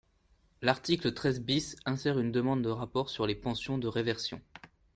L’article treize bis insère une demande de rapport sur les pensions de réversion.